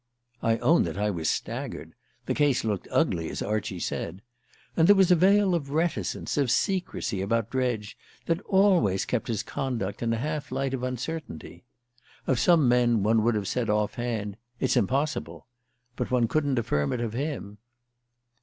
I own that I was staggered: the case looked ugly, as Archie said. And there was a veil of reticence, of secrecy, about Dredge, that always kept his conduct in a half light of uncertainty. Of some men one would have said off hand: "It's impossible!" But one couldn't affirm it of him.